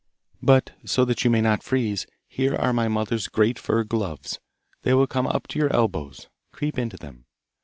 But, so that you may not freeze, here are my mother's great fur gloves; they will come up to your elbows. Creep into them!